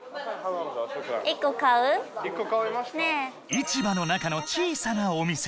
［市場の中の小さなお店］